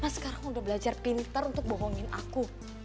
sekarang udah belajar pinter untuk bohongin aku